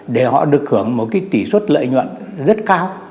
để họ được hưởng một cái tỷ suất lợi nhuận rất cao